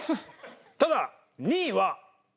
ただ２位は。